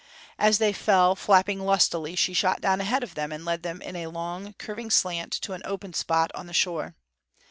As they fell, flapping lustily, she shot down ahead of them and led them in a long, curving slant to an open spot on the shore.